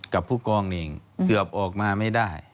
กับผู้กองหนึ่งเกือบออกมาไม่ได้